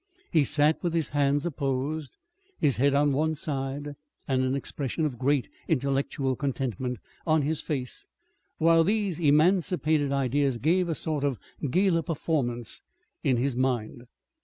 He sat with his hands apposed, his head on one side, and an expression of great intellectual contentment on his face while these emancipated ideas gave a sort of gala performance in his mind.